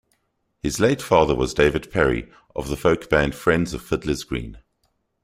His late father was David Parry of the folk band Friends of Fiddler's Green.